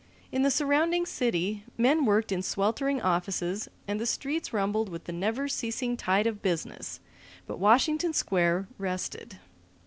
In the surrounding city, men worked in sweltering offices and the streets rumbled with the never ceasing tide of business but Washington Square rested.